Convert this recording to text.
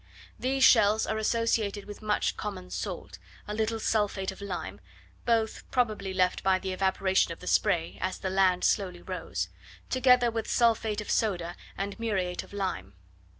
These shells are associated with much common salt, a little sulphate of lime (both probably left by the evaporation of the spray, as the land slowly rose), together with sulphate of soda and muriate of lime.